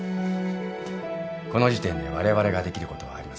この時点でわれわれができることはありますか？